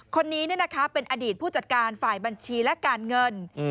คนนี้เป็นอดีตผู้จัดการฝ่ายบัญชีและการเงิน